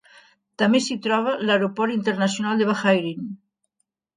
També s'hi troba l'Aeroport Internacional de Bahrain.